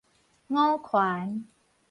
五權